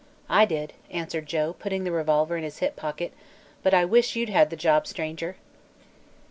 "I did," answered Joe, putting the revolver in his hip pocket, "but I wish you'd had the job, stranger."